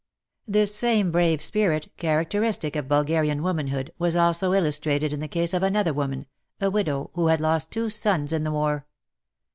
" This same brave spirit, characteristic of Bulgarian womanhood, was also illustrated in the case of another woman — a widow — who had lost two sons in the war.